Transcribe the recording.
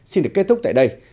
xin được kết thúc tại đây